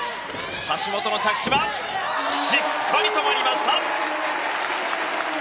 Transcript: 橋本の着地はしっかり止まりました！